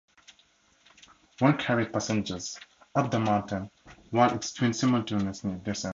One carried passengers up the mountain while its twin simultaneously descended.